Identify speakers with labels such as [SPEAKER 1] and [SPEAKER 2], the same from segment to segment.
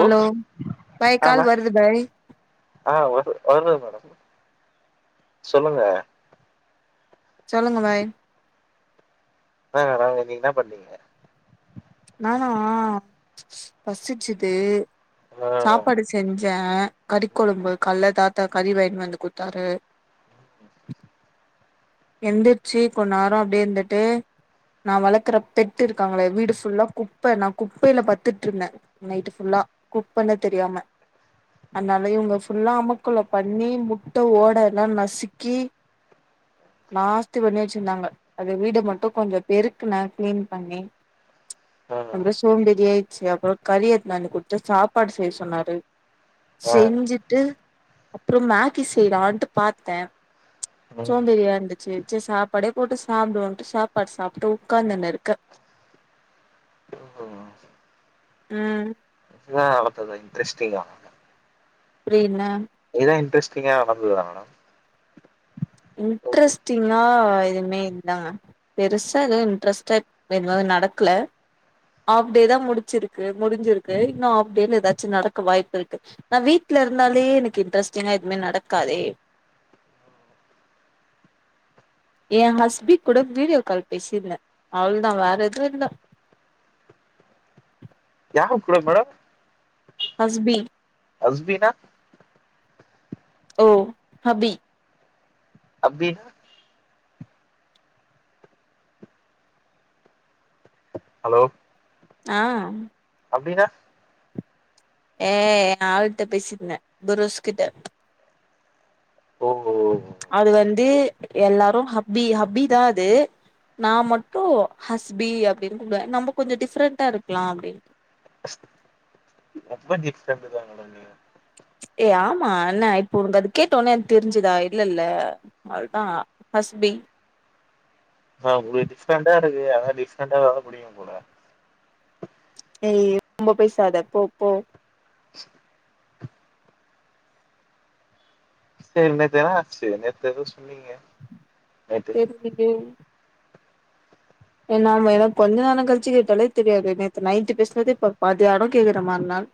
[SPEAKER 1] Hello பாய்
[SPEAKER 2] ஆ மே
[SPEAKER 1] கால் வருது பாய்
[SPEAKER 2] ஆ வரு வருது மேடம் சொல்லுங்க
[SPEAKER 1] சொல்லுங்க வாய்
[SPEAKER 2] ஆ ஆ நீங்க என்ன பண்ணீங்க
[SPEAKER 1] நானா பசிச்சுது
[SPEAKER 2] ஆ
[SPEAKER 1] சாப்பாடு செஞ்சே கறி கொழம்பு கல்ல தா தா கறி வாங்கினு வந்து குத்தாரு எந்திச்சி கொன் நேரோ அப்டியே இருந்துட்டு நா வளக்குற பெட் இருக்காங்களே வீடு சு ஃபுல்லா குப்ப நா குப்பையில பத்துட்டு இருந்தே நைட் ஃபுல்லா குப்பன்னே தெரியாம அனால இவங்க ஃபுல்லா அமுக்குள்ள பண்ணி முட்ட ஓட எல்லா நசுக்கி நாஸ்தி பண்ணி வச்சிருந்தாங்க அது வீடு மட்டு கொஞ்சோ பெருக்குன கிளீன் பண்ணி
[SPEAKER 2] ஆ
[SPEAKER 1] அப்புற சோம்பேரி ஆயிடுச்சு அப்புறோ கறி எடுத்னானு குடுத்து சாப்பாடு செய்ய சொன்னாரு
[SPEAKER 2] ஆ
[SPEAKER 1] செஞ்சுட்டு அப்றோ மேகி செய்லான்ட்டு பாத்த
[SPEAKER 2] ம்
[SPEAKER 1] சோம்பேரியா இருந்துச்சு சரி சாப்பாடே போட்டு சாப்டுவோன்ட்டு சாப்பாடு சாப்ட்டு உக்காந்துண்ணு இருக்க
[SPEAKER 2] ம்
[SPEAKER 1] ம்
[SPEAKER 2] ஆ அளத்ததுா இன்ட்ரெஸ்டிங் ஆ
[SPEAKER 1] புரில
[SPEAKER 2] ஏது இன்ரெஸ்டிங்கா நடந்ததா மேடம் ஓகே
[SPEAKER 1] இன்ட்ரெஸ்ட்டிங்கா எதுமே இல்லங்க பெருசா எதுவு இன்ட்ரெஸ்ட்டா எதுவு நடக்ல ஆஃப் டே தா முடிச்சிருக்கு முடிஞ்சிருக்கு இன்னு ஆஃப் டேல ஏதாச்சு நடக்க வாய்ப்பு இருக்கு நா வீட்ல இருந்தாலே எனக்கு இன்ட்ரெஸ்டிங்கா எதுமே நடக்காதே ஏ ஹஸ்பி கூட வீடியோ கால் பேசிருந்தே அவ்ளதா வேற எதுவு இல்ல
[SPEAKER 2] யார் கூட மேடம்
[SPEAKER 1] ஹஸ்பீ
[SPEAKER 2] ஹஸ்பீனா
[SPEAKER 1] ஓ ஹபி
[SPEAKER 2] ஹபினா ஹலோ
[SPEAKER 1] ஆ
[SPEAKER 2] அப்டினா
[SPEAKER 1] ஏ எ ஆள்ட்ட பேசிந்தே புருஸ்கிட்ட
[SPEAKER 2] ஓ ஓ
[SPEAKER 1] அது வந்து எல்லாரு ஹபி ஹபி தா அது நா மட்டு ஹஸ்பி அப்டினு கூப்டுவ நம்ப கொஞ்சோ டிஃப்ரெண்ட்டா இருக்கலா அப்டின்னு
[SPEAKER 2] ரொம்ப டிஃப்ரெண்ட் தா மேடம் நீங்க
[SPEAKER 1] ஏ ஆமா என்ன இப்ப உனக்கு அது கேட்ட உன்னே தெரிஞ்சுதா இல்லல்ல அதுதா ஹஸ்பி
[SPEAKER 2] ஆ ஒரு டிஃப்ரண்டா இருக்கு ஆனா டிஃப்ரெண்டா இருந்தா தா புடிக்கு போல
[SPEAKER 1] ஏய் ரொம்ப பைசாத போ போ
[SPEAKER 2] சரி நேத்து என்ன ஆச்சி நேத்து எதோ சொன்னீங்க நேத்து
[SPEAKER 1] எதுக்குங்க ஏ நாம ஏ கொஞ்ச நேரோ கழிச்சு கேட்டாலே தெரியாது நேத்து நைட்டு பேசுறது இப்ப மத்தியான கேக்குற மறுநாள்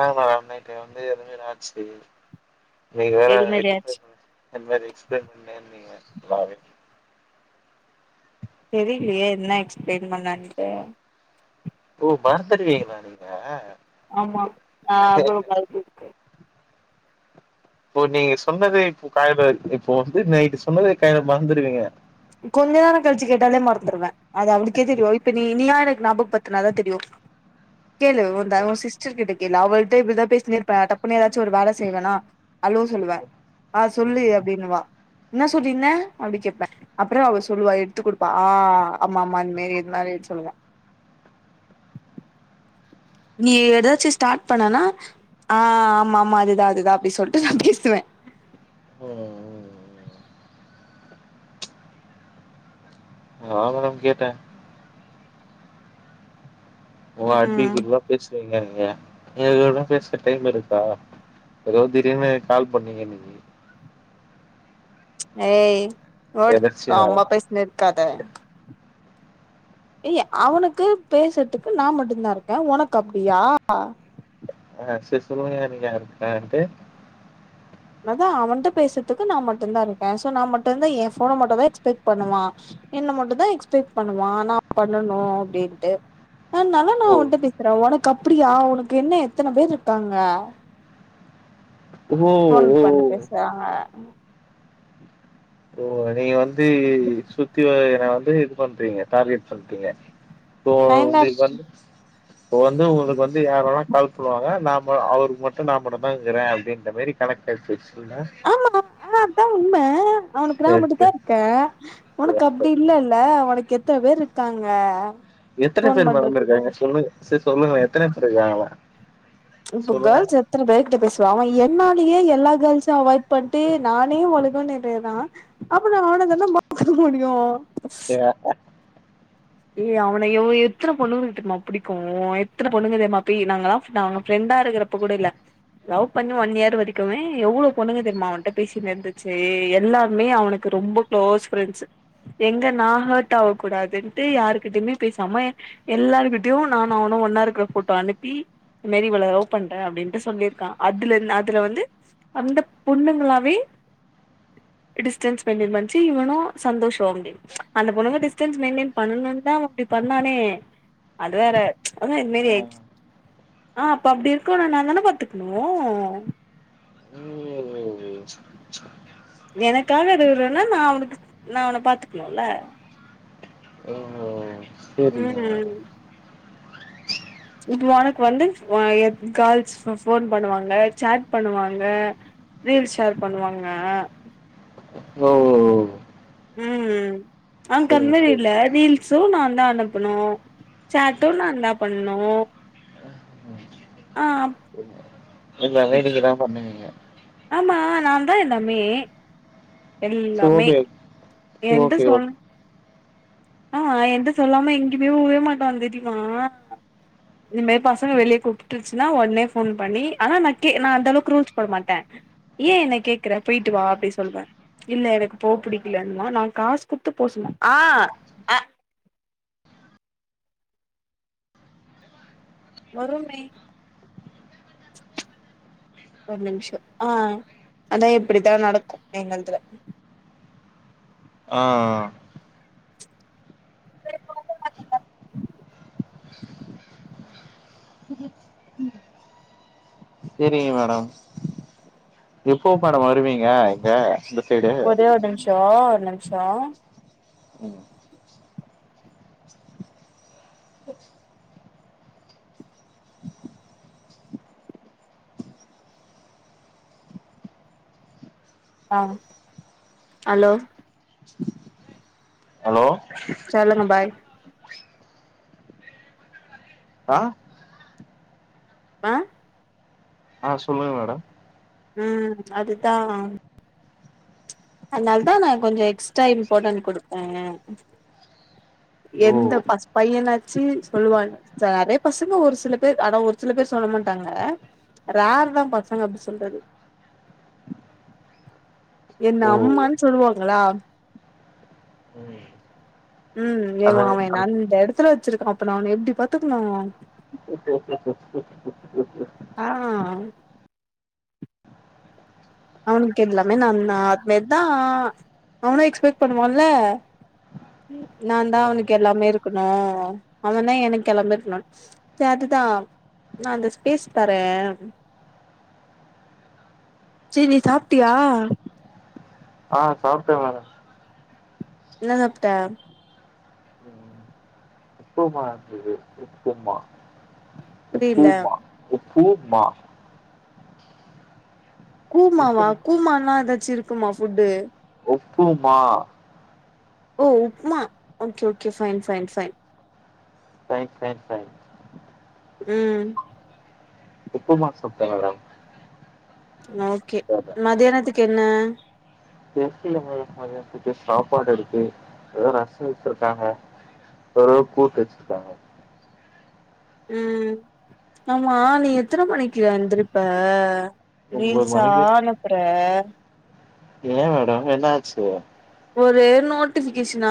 [SPEAKER 2] ஆ நா நைட்டு வந்து எதுவுமே ஆச்சு இன்னைக்கு வேற
[SPEAKER 1] எது மாரி
[SPEAKER 2] எத்
[SPEAKER 1] ஆச்சு
[SPEAKER 2] என்மேரி எக்ஸ்பிளைன் பண்ணுன் நீங்க
[SPEAKER 1] தெரிலியே என்னா எக்ஸ்பிளைன் பண்ணான்ட்டு
[SPEAKER 2] ஓ பரதட்வீங்களா நீங்க
[SPEAKER 1] ஆமா ஆ [unintelligible]
[SPEAKER 2] ஓ நீங்க சொன்னதே இப்போ காய்பேக் இப்போ வந்து நைட்டு சொன்னது கய்ல மறந்துருவீங்க
[SPEAKER 1] கொஞ்சநேர கழிச்சி கேட்டாலே மறந்துருவே அது அவளுக்கே தெரியு இப்ப நீ இன்லாடு நாபக் பத்துனாதா தெரியு கேளு ஓ தவோசிஸ் ச்சிர்கிட்ட கேளு அவள்ட்ட இப்டிதா பேசினே இர்ப்பே டப்புன்னு ஏதாச்சு ஒரு வேல செய்லன்னா அலோ சொல்லுவே ஆ
[SPEAKER 2] ம்
[SPEAKER 1] சொல்லு
[SPEAKER 2] ம்
[SPEAKER 1] அப்டின்னுவா இன்னா சொல்லீன அப்டி கேப்பே அப்றோ அவ சொல்லுவா எடுத்துக் குடுப்பா ஆ அம்மா அம்மா இந்த் மேரி எத் மாரி சொல்லுவே நீ ஏதாச்சி ஸ்டாட் பண்ணனா ஆ ஆமாமா அதுதா அதுதா அப்டி சொல்ட்டு நா கெத்துவே
[SPEAKER 2] ஓ ஓ ஆ மேடம் கேட்டே ஓ
[SPEAKER 1] ம்
[SPEAKER 2] அட்டிக்குருவா பேஸ்வீங்க நீங்க நீ எதோட பேச டைம் இருக்கா ஏதோ திடீனு கால் பண்ணீங்க இன்னிக்கி
[SPEAKER 1] ஏய் வோட் ரா
[SPEAKER 2] எதர்ச்சியா
[SPEAKER 1] அம்மா பேஸ்னே இருக்காத ஏய்ய அவனுக்கு பேசுற்துக்கு நா மட்டுன்தா இருக்கே உனக் அப்டியா
[SPEAKER 2] ஆ சிசுன்மிய நீங் யாரு கன்ட்டு
[SPEAKER 1] நதா அவன்ட்ட பேசுத்துக்கு நா மட்டுன்தா ருக்கேன் சோ நா மட்டுன்தய்யெ என் ஃபோன மட்டுவெ க்ஸ்பெட் பண்ணுவா என்ன மட்டுதா எக்ஸ்பெக் பண்ணுவா நா பண்ணனு அப்டின்ட்டு அனால நா
[SPEAKER 2] ஓ
[SPEAKER 1] உன்ட்ட பேசுறா உனக் கப்டியா உனக்கு என்ன எத்தன பேர் ருக்காங்க
[SPEAKER 2] ஓ
[SPEAKER 1] ஃபோன்
[SPEAKER 2] ஓ
[SPEAKER 1] பண்ட்டு பேசுறாங்க ம்
[SPEAKER 2] ஓ நீங்க வந்தெய் இய் இய் சுத்தி வய்ற வந்து இது பண்றீங்க டார்கெட் பண்ட்டிங்க தோ
[SPEAKER 1] நா என்ன
[SPEAKER 2] வெ வந்து பொவந்து உனக் வந்து யாரல்லா கால் பண்ணுவாங்க நாம் மா அவருக்கு மட்டு நா மட்டுதா இக்குறே அப்படின்ற மாரி கனக்டட் ஸ்விச்சுன்னா
[SPEAKER 1] ஆமா
[SPEAKER 2] அ
[SPEAKER 1] இன்தா இருக்கே உனக்கு அப்டி இல்லல்ல உனக்கு எத்தன பேர் இருக்காங்க
[SPEAKER 2] எத்தன
[SPEAKER 1] ஃபோன்
[SPEAKER 2] பேர் மேடம்
[SPEAKER 1] பண்றதுக்கு
[SPEAKER 2] இருக்காங்க சொல்லு சே சொல்லுங்க எத்தன ப்ரக்காங்க
[SPEAKER 1] இப்பு கள் செப் த்துர பைக் கிட்ட பேசுவே அவன் என்னாலியே எல்லா கேர்ள்ஸு அவாய்ட் பண்ட்டு நானே ஒழுகனு எரேதா அப்ப நா ஆனந்தனா மப்புக்கு முடியு
[SPEAKER 2] சே ஆ
[SPEAKER 1] ஏய் அவன எவ் எத்தன பொண்ணுங்கள்ட்டுமா பிடிக்கு எத்தன பொண்ணுதே மா பெய் நாங்களாஃப் நாங்க ஃப்ரெண்டா இருக்குறப் ப்ப கூடில்ல லவ் பண்ணி ஒன் இயர் வரிக்குமே எவ்ளோ பொண்ணுங்க தெரிமா அவன்ட்ட பேசி நேந்துச்சே எல்லார்மே அவனுக்கு ரொம்ப க்ளோஸ் ஃப்ரெண்ஸு எங்க நா ஹட் ஆவ்கூடாதென் த்தே யாரு்கிட்டயுமே பேசாம எல்லாருக்கிட்டயு நான் அவ்னு ஒன்னா இருக்குற ஃபோட்டோ அனுப்பி மெரி வள லௌ பண்றே அப்படின்ட்டு சொல்லிருக்கா அதுலெர் அதுல வந்து அந்த பொண்ணுங்களாவே டிஸ்டன்ஸ் மெய்ன்டெய்ன் வன்ச்சி இவனு சந்தோஷோ அப்டின் அந்த பொண்ணுங்க டிஸ்டன்ஸ் மெய்ன்டெய்ன் பண்ணணுன்தா அவ அப்டி பண்ணானே அது வேற அதா இதுமாரி ஆய்ச்
[SPEAKER 2] ம்
[SPEAKER 1] ஆ அப்ப அப்டி இருக்குனா நாதான பாத்துக்ணு எனக்காக இருருன்னா நா அவனுக்கு நா அவன பாத்துக்கணுல்ல
[SPEAKER 2] செரிங்க வேற
[SPEAKER 1] இது உனக் வந்து வாஎத் கால்ஸ் ஃப ஃபோன் பண்ணுவாங்க சாட் பண்ணுவாங்க ரீல் ஷேர் பண்ணுவாங்க
[SPEAKER 2] ஓ
[SPEAKER 1] உம் ஆ
[SPEAKER 2] சேரிங்க
[SPEAKER 1] கன்வே இல்ல
[SPEAKER 2] சேரிங்க
[SPEAKER 1] ரீல்ஸும் நா தா அனுப்பனு சாட்டூ நான்ந்தா பண்ணும் ஆம்
[SPEAKER 2] எல்லாமே இதுக்குதான் பண்ணுவீங்க
[SPEAKER 1] ஆமா நா தா எல்லாமே
[SPEAKER 2] சோ
[SPEAKER 1] எல்லாமே
[SPEAKER 2] ஓகே சோ
[SPEAKER 1] எந்த
[SPEAKER 2] ஓகே
[SPEAKER 1] சொல்
[SPEAKER 2] ஓகே
[SPEAKER 1] னா எந்த சொல்லாம எங்கேயுமே உவே மாட்டான் தெரியுமா இந்தமாரி பசங்க வெளியே கூப்பிட்டுச்சன்னா உடனே ஃபோன் பண்ணி ஆனா நா கே நா அந்த அளவுக்கு ரூல்ஸ் போட மாட்டேன் ஏ என்ன கேக்குற பெயிட்டு வா அப்டி சொல்வே இல்ல எனக்கு போ பிடிக்கலன்னுா நா காசு குடுத்து போ சொன்னே ஆ அ வருமே ஒரு நிமிஷொ ஆ அதான் இப்படித்தான் நடக்கும் எங்க இதுல ம் ம்
[SPEAKER 2] ஆ சேரிங்க மேடம் எப்போ மேடம் வருவீங்க இங்க இந்த சைடு
[SPEAKER 1] ஒதே ஒரு நிம்ஷோ ஒரு நிம்ஷோ ஆ அலோ
[SPEAKER 2] ஹலோ
[SPEAKER 1] சொல்லுங்க பாய்
[SPEAKER 2] ஆ
[SPEAKER 1] ஆ
[SPEAKER 2] ஆ சொல்லுங்க மேடம்
[SPEAKER 1] அ அதுதான் அதனால தான் நான் கொஞ்சம் எக்ஸ்ட்ரா இம்பார்ட்டன் கொடுப்பே
[SPEAKER 2] ஓ
[SPEAKER 1] எந்த பஸ் பையனாச்சு சொல்லுவாங்க நெறைய பசங்க ஒரு சில பேர் அதான் ஒரு சில பேர் சொல்ல மாட்டாங்க ரார் தா பசங்க அப்டி சொல்றது என்ன
[SPEAKER 2] ஓ
[SPEAKER 1] அம்மான்னு சொல்லுவாங்களா
[SPEAKER 2] ம்
[SPEAKER 1] உம்
[SPEAKER 2] அத
[SPEAKER 1] மாவென் அவன்
[SPEAKER 2] அந்
[SPEAKER 1] அந்த எடத்துல வச்சிருக்கான் அப்ப நா அவன எப்டி பாத்துக்கணும்
[SPEAKER 2] ஓகே ஓகே
[SPEAKER 1] ஆ அவனுக்கு எல்லாமே நான் தா அதுமாரி தான் அவனு எக்ஸ்பெக்ட் பண்ணுவான்ல நா தான்
[SPEAKER 2] ம்
[SPEAKER 1] அவனுக்கு எல்லாமே இருக்கணும் அவன் தான் எனக்கு எல்லாமே இருக்கணுன் சரிதா நா அந்த ஸ்பேஸ் தரே செரி நீ சாப்ட்டியா
[SPEAKER 2] ஆ சாப்ட்டே மேடொ
[SPEAKER 1] என்ன சப்ட்ட
[SPEAKER 2] ம் உப்புமா இருந்தது உப்புமா
[SPEAKER 1] புரியல
[SPEAKER 2] உப்புமா உப்புமா
[SPEAKER 1] கூமாவா
[SPEAKER 2] உப்புமா
[SPEAKER 1] கூமான்லா ஏதாச்சு இருக்குமா ஃபுட்டு
[SPEAKER 2] உப்புமா
[SPEAKER 1] ஓ upma okay okay fine fine fine
[SPEAKER 2] fine fine fine
[SPEAKER 1] ம்
[SPEAKER 2] உப்புமா சாப்டே மேடம்
[SPEAKER 1] ஓகே
[SPEAKER 2] சாப்ட்டே.
[SPEAKER 1] மதியானத்துக்கு என்ன
[SPEAKER 2] கேக்குல மேடம் மதியானதுக்கு சாப்பாடு இருக்கு எதா ரசோ வெச்சுருக்காங்க எதோ கூட்டு வெச்சுருக்காங்க
[SPEAKER 1] ம் ஆமா நீ எத்தன மணிக்குயா எந்திரிப்ப
[SPEAKER 2] ஒம்போது
[SPEAKER 1] ரீல்சா
[SPEAKER 2] மணிக்கு
[SPEAKER 1] அனுப்புற
[SPEAKER 2] எ மேடம் என்ன ஆச்சு
[SPEAKER 1] ஒரே நோட்டிஃபிகேஷனா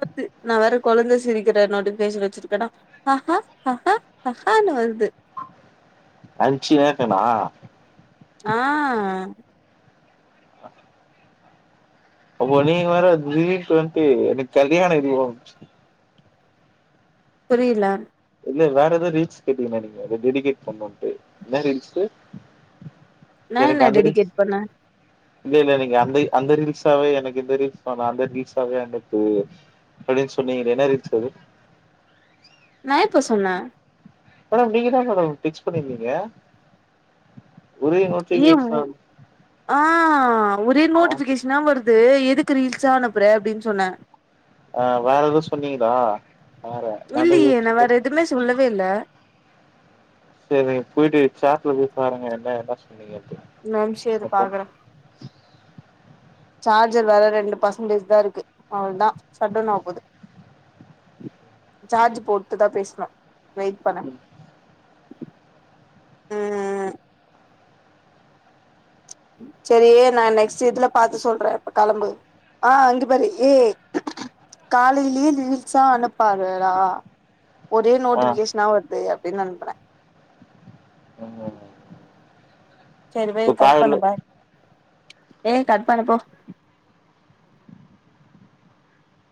[SPEAKER 1] வர்து நா வேற குழந்த சிரிக்கிற நோட்டிஃபிகேஷன் வெச்சுருக்கனா அ அஹ அஹனு வருது
[SPEAKER 2] அரிச்சுனே இருக்கனா
[SPEAKER 1] ஆ
[SPEAKER 2] அப்போ நீங்க வேற வீட்கு வன்ட்டு எனக்கு கல்யாணோ இருக்கு
[SPEAKER 1] புரில
[SPEAKER 2] இல்ல வேற எதோ ரீல்ஸ் கேட்டீங்ளா நீங்க டெடிகேட் பண்ணுட்டு என்ன ரீல்ஸு
[SPEAKER 1] நா என்ன
[SPEAKER 2] எனக்கு அந்த ரீல்ஸ்
[SPEAKER 1] டெடிகேட் பண்ண
[SPEAKER 2] இல்ல இல்ல நீங்க அந்த அந்த ரீல்ஸாவே எனக்கு எந்த ரீல்ஸ் வேணா அந்த ரீல்ஸாவே அனுப்பு அப்டின் சொன்னீங்ளே என்ன ரீல்ஸ் அது
[SPEAKER 1] நா எப்போ சொன்ன
[SPEAKER 2] மேடம் நீங்கதா மேடம் பிச் பண்ணிருந்தீங்க ஒரே
[SPEAKER 1] எ ஊ
[SPEAKER 2] நோட்டிபிகேஷன்
[SPEAKER 1] ஆ ஒரே நோட்டிஃபிகேஷனா வருது எதுக்கு ரீல்ஸா அனுப்புற அப்டின் சொன்ன
[SPEAKER 2] அ வேற எது சொன்னீங்ளா
[SPEAKER 1] இல்லியே நா வேற எதுமே சொல்லவே இல்ல
[SPEAKER 2] செரி போயிட்டு சாட்ல போய் பாருங்க என்ன என்ன சொன்னீங்க அப்டினு
[SPEAKER 1] ஒரு நிம்ஷோ இரு பாக்குறே சார்ஜர் வேற ரெண்டு பர்சன்டேஜ்தா இருக்கு அவ்ளோதா சடவுன் ஆவ போது சார்ஜ் போட்டுதா பேஸ்னு வெயிட் பண்ணு ம் செரி நா நெக்ஸ்ட் இதுல பாத்து சொல்றே இப்ப களம்பு ஆ அங்க பாரு ஏ காலைலியே ரீல்சா அனுப்பாதடா ஒரே
[SPEAKER 2] ஆ
[SPEAKER 1] நோட்டிஃபிகேஷனா வருது அப்டின் அனுப்புன
[SPEAKER 2] ஆமா
[SPEAKER 1] செரி வை கட் பண்ணு பாய் ஏ கட் பண்ணுப்போ